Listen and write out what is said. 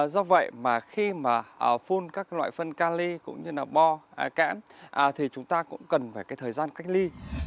do vậy khi phun các loại phân can ly cũng như bo kẽm thì chúng ta cũng cần phải thời gian cách ly